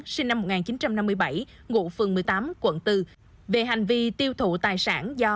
sinh năm một nghìn chín trăm năm mươi bảy ngụ phường một mươi tám quận bốn về hành vi tiêu thụ tài sản do